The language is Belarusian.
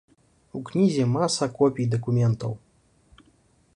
У кнізе маса копій дакументаў.